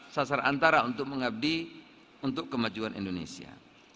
sasar antara untuk mengabdi untuk kemajuan indonesia